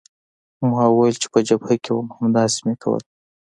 ما وویل چې په جبهه کې وم همداسې مې کول.